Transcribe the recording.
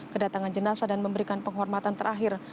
kedatangan jenazah dan memberikan penghormatan terakhir